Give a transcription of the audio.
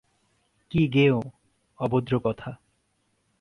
কী গেঁয়ো, অভদ্র কথা!